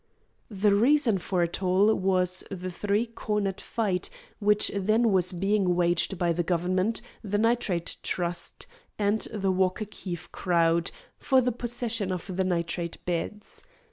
The reason for it all was the three cornered fight which then was being waged by the Government, the Nitrate Trust, and the Walker Keefe crowd for the possession of the nitrate beds.